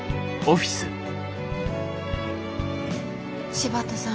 柴田さん